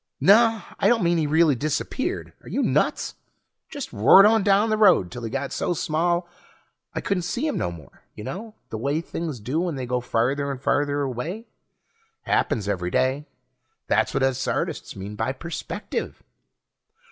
Naw, I don't mean he really disappeared are you nuts? Just roared on down the road till he got so small I couldn't see him no more. You know the way things do when they go farther and farther away. Happens every day; that's what us artists mean by perspective.